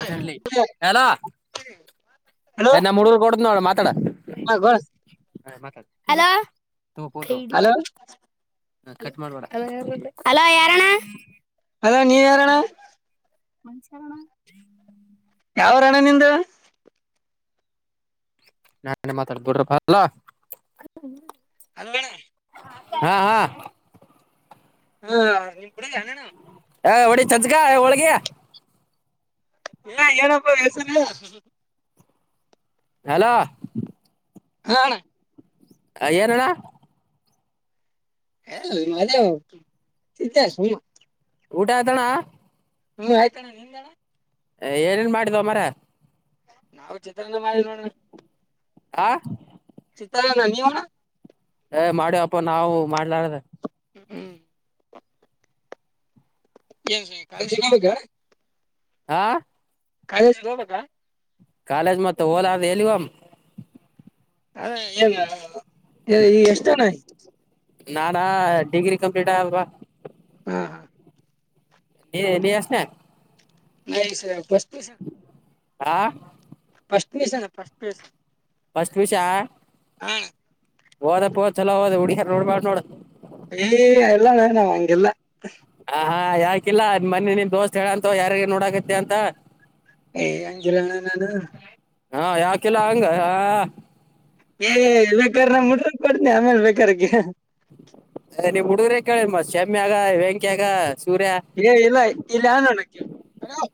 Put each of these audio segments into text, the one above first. [unintelligible] ಎಲ ಹಾ ಅದ್ ನಮ್ ಹುಡುರ್ ಹೊಡ್ನಲ್ಲ ಮತ್ ತ್ತಡ ಹಾ ಗೋಳ ಹಲೋ ಹಲೋ ಹಲೋ ಯಾರಣ್ಣ ಹಲೋ ನೀ ಯಾರಣ್ಣ ಮನ್ಸರಣ ಯಾವೂರಣ್ಣ ನಿಂದು ನಾನೆ ಮಾತಾಡಿದ್ ಬಿಡ್ರಪ್ಪ ಹಲೋ ಹಲೋ ಹಾ ಹಾ ಹ ನಿಮ್ ಪುಣಗ [unintelligible] ಹಾ ಹೊಡಿ ಚಚ್ಕಾ ಹೋಳಿಗೆ ಏನ ಏನಪ್ಪ [unintelligible] ಹಲೋ ಹಾ ಅಣ ಹ ಏನಣ [unintelligible] ಊಟ ಅಯ್ತಣ ಹೂ ಆಯ್ತಣ್ಣ ನಿಂದಣ್ಣ ಏನೇನ್ ಮಾಡಿದ್ದೋ ಮರ ನಾವು ಚಿತ್ರನ್ನ ಮಾಡಿದ್ವಿ ಅಣ ಆ ಚಿತ್ರಾನ್ನ ನೀವು ಅಣ ಏ ಮಾಡ್ಯಪ್ಪ ನಾವು ಮಾಡ್ಲಾರ್ದ ಹ್ಮ್ [unintelligible] ಆ ಕಾಲೇಜಿಗ್ ಹೋಗ್ಬೇಕ ಕಾಲೇಜಿಗ್ ಮತ್ತ ಹೋಲಾರ್ದ್ ಎಲ್ಲಿಗ್ ಹೋಮ್ ಹಾ [unintelligible] ಏ ಎಷ್ಟನೆ ನಾನಾ ಡಿಗ್ರಿ ಕಂಪ್ಲೀಟ್ ಆಗ್ವ ಹಾ ನೀ ನೀ ಎಷ್ಟ ನೇ [unintelligible] [unintelligible] ಆ ಪಸ್ಟ್ ಪಿ ಯು ಸಿ ಅಣ್ಣಾ first P U C first P U C ಯಾ ಹಾ ಓದಪ್ಪೋ ಚಲೋ ಓದು ಹುಡುಗ್ಯಾರ್ ನೋಡ್ ಬ್ಯಾಡ್ ನೋಡ ಏ ಎಲ್ಲ ನಾವು ನಾವ್ ಹಂಗೆಲ್ಲಾ ಹ ಹಾ ಯಾಕಿಲ್ಲ ಮನ್ನೆ ನಿನ್ ದೋಸ್ತ್ ಹೇಳಂತ ಯಾರಿಗೆ ನೋಡಕತಿ ಅಂತ ಏ ಹಂಗಿಲ್ಲಣ್ಣ ನಾನು ಹಾ ಯಾಕಿಲ್ಲ ಹಂಗ ಹಾ ಏ ಬೇಕಾರ್ ನಮ್ ಹುಡ್ಗುರ್ನ್ ಆಮೇಲ್ ಬೇಕಾರೆ ಕೇ ಅದೇ ನೀವ್ ಹುಡುಗರೇ ಕೇಳಿದ ಮತ್ ಶಮ್ಯಗ, ವೆಂಕ್ಯಗ ಏ ಇಲ್ಲ ಇಲ್ಲಿ ಹನುಕ್ಕೆ ಅ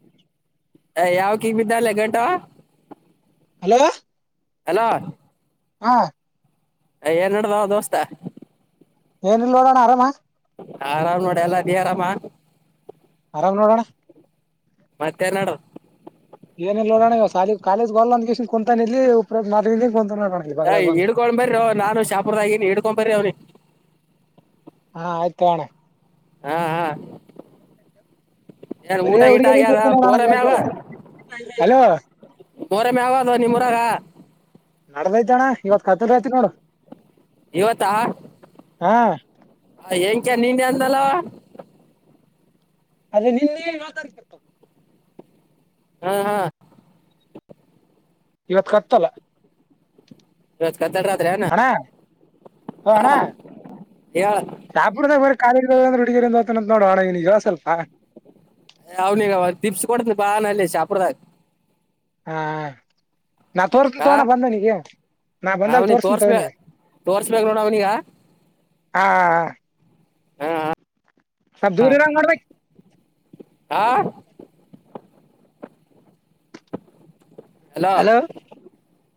ಯಾವ ಕಿಂಗ್ ಬಿದ್ದಲ್ಲೆ ಟ ಹಲೋ ಹಲೋ ಹಾ ಏ ನಡ್ದ ದೋಸ್ತ ಏನಿಲ್ಲ ನೋಡೋಣ ಆರಾಮ ಆರಾಮ್ ನೋಡಿ ಎಲ್ಲಾ ನಿ ಆರಾಮ. ಆರಾಮನೋಡಣ ಮತ್ತೆ ನಡದ ಒನ್ ಅಂದ ಕುಂತಾನ ಇಲ್ಲಿ [unintelligible] ಹ ಬಂದು ಹಿಡ್ಕೊಂಡ್ ಬರ್ರಿ ಅವ ನಾನು ಶಾಪುರ್ ದಾಗ ಹ ಇಡ್ಕೊ ಬರ್ರಿ ಅವ್ನಿಗೆ ಹಾ ಆಯ್ತ ತುಗಾಣ್ಣಾ ಹಾ ಹಾ ಏನ್ ಬರೀ ಊಟ ಗೀಟ ಹುಡುಗಿಯರಿಗೆ ಆಗ್ಯದ ನೋಡ್ತಾನ ಮೋರಮ್ಮೆ ಆವ ಹಲೋ ಮೋರಮ್ಮೆ ಆವಾದ ನಿಮ್ಮೂರಾಗ ಅಣ್ಣ ಕತ್ರೆಐತಿ ನೋಡು ಇವತ್ತಾ ಹಾ ವೆಂಕ್ಯ ನೀನೇ ಅದೆಲ್ಲವೊ ಆದದ್ರೆ ನಿನ್ನೆ ಯ ತಾರಕ ಇತ್ತು ಹಾ ಹಾ ಇವತ್ ಕತಲ್ಲ ಇವತ್ತ ಕತ್ತಲ ರಾತ್ರಿ ಏನ ಹಾ ಅಣ್ಣ ಹೇಳ ಕಾಲಿ ಅ್ರ ಹುಡುಗಿಯರಿಂದತ ನೋಡುವ ಇವ್ನಿಗೆ ಹೇಳ ಸ್ವಲ್ಪ ಅವನಗ ಅವ ದ ಟಿಪ್ಸ್ ಕೊಡ್ತನಿ ಬಾ ನಲ್ಲಿ ಶಾಪ್ರೂದಾಗ ಹ್ ನಾ ತೋರ್ನ ತಗೋಣ ಬಂದನಿಗೆ ನಾ ಆ ಬಂದಾಗ ಅವ್ನಿಗೆ ತೋರ್ಸನ ತೋರ್ಸ್ಬೇ ತೋಗನಿಗೆ ತೋರ್ಸ್ಬೇಕ್ ನೋಡ ಅವನೀಗ ಹಾ ಹ ಸ್ವಲ್ ದೂರ ಇರಂಗ ಮಾಡ್ಬೇಕ ಆ ಹಲೋ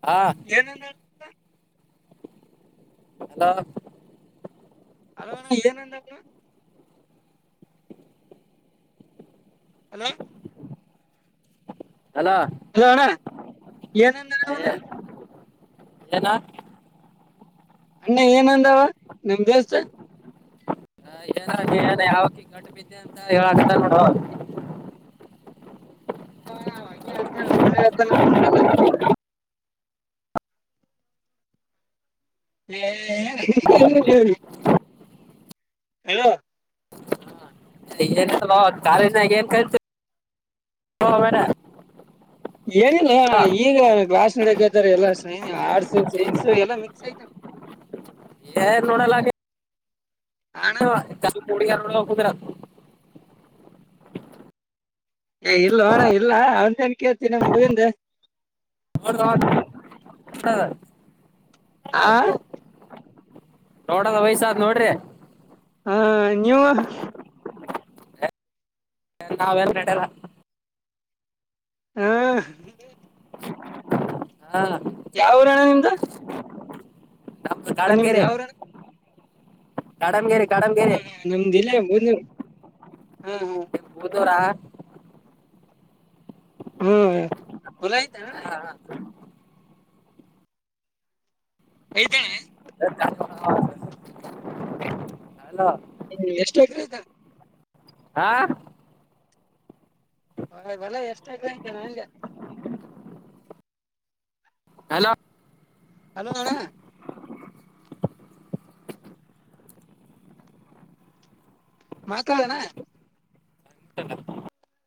ಹಾ ಅಲೋ ಹಲೋ ಏನಂದದ ಬ್ರೋ ಹಲೋ ಹಲೋ ಅಲೋ ಅಣ್ಣ ಏನಂದಣ ಏನ ಅಣ್ಣ ಏನ ಅಂದವ ನಿಮ್ದಲ್ಸ ಹ ಏನ ಯಾವಕಿ ಗಂಟ ಬಿದ್ದೆ ಅಂತ ಹೇಳಕ್ ನೋಡುವ ಹಾ ಹ ಅಂದ ಸೊಳ್ಳೆ ಅತ ನ ಬಿಡ್ರಲ್ಲ ಹ್ಮ್ ಹ ಹಲೋ ಏನ್ ಕಾಲಜಿನಾಗ ಏನ್ ಕತ ಮೇಡ ಹೇಳಿಲ್ಲ ಈಗ ಕ್ಲಾಸ್ ನಡಕ್ತಾರೆ ಎಲ್ಲ ಸನ್ ಆಡ್ಸ ಸೈನ್ಸ ಎಲ್ಲಾ ಮಿಕ್ಸ್ ಆಯ್ತ ಅಣ್ಣ ಹ ಕಾಲ ಪೋಡಿಗರುದ ರತು ಏ ಇಲ್ಲ ಹಣ ಇಲ್ಲ ಅವನ್ಏನ್ ಕೇಳ್ತೀನ ಹುಡುಗಿಂದ ಹಾ ಆ ನೋಡದ ವಯಸಾದ್ ನೋಡ್ರಿ ಹಾ ನೀವು ನಾವ್ಯಾರ್ ನಡೆಯಲ್ಲ ಹಾ ಹ್ಮ್ಮ್. ಯಾವ ಊರ ಅಣ್ಣ ನಿಮ್ದ ನಿಮ್ದ್ ನಮ್ಮಕಾಡಗೆೇರೆ ಯಾವ್ರಣ ಕಾಡಮಗೆರಿ ಹಾ ಹಾ ನಮ್ದಿಲ್ಲ [unintelligible] ಬೂದೂರ ಹ್ಮ್ ಹೊಲಯತ ಯ್ತಾನೆ ಅಲ ಹ್ಮ ಎಷ್ಟ ಅದಾ ಹಾ ಹೊ ಬಲ ಎಷ್ಟಾಗ ಆಯತ ನಂಗೆ ಅಲ ಅಲಣ್ಣ ಮಾತಾಡೋಣ [unintelligible]